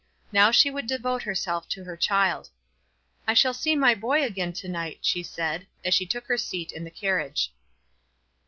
Now she would devote herself to her child. "I shall see my boy again to night," she said, as she took her seat in the carriage.